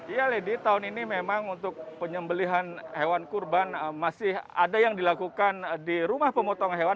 ya lady tahun ini memang untuk penyembelihan hewan kurban masih ada yang dilakukan di rumah pemotongan hewan